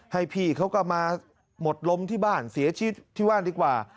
ให้พี่เขาก็มาหมดลมที่บ้านเสียชีวิตที่บ้านดีกว่า